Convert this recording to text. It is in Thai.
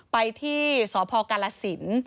ไปที่สพกาลสิน